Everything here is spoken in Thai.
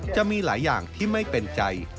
จะมีหลายอย่างที่ไม่เป็นใจ